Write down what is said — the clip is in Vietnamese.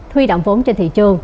huy động vốn trên thị trường